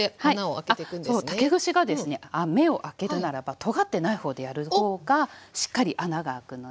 あそう竹串がですね目を開けるならばとがってない方でやる方がしっかり穴が開くので。